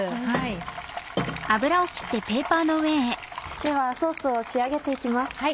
ではソースを仕上げて行きます。